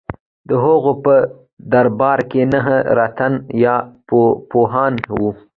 د هغه په دربار کې نهه رتن یا پوهان وو.